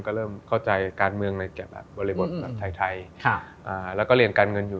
ก็เริ่มเข้าใจการเมืองในบริบทแบบไทยแล้วก็เรียนการเงินอยู่